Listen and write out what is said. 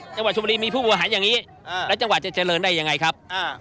จังหวัดชมบุรีมีผู้บริหารอย่างนี้แล้วจังหวัดจะเจริญได้ยังไงครับ